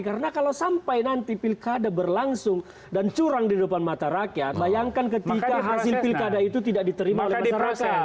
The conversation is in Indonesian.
karena kalau sampai nanti pilkada berlangsung dan curang di depan mata rakyat bayangkan ketika hasil pilkada itu tidak diterima oleh masyarakat